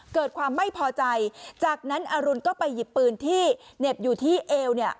เกิดความไม่พอใจจากนั้นอรุณก็ไปหยิบปืนที่เหน็บอยู่ที่เอวเนี่ย